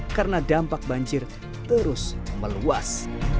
karena dampak banjir terus meluas